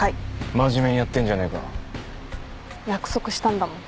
真面目にやってんじゃねえか。約束したんだもん。